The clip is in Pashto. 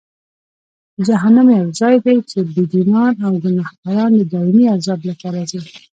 جهنم یو ځای دی چې بېدینان او ګناهکاران د دایمي عذاب لپاره ځي.